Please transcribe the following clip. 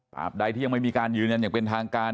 ใดที่ยังไม่มีการยืนยันอย่างเป็นทางการ